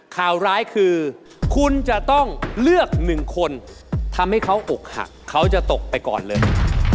ข่าวร้ายคือคุณจะต้องเลือกหนึ่งคนทำให้เขาอกหักเขาจะตกไปก่อนเลย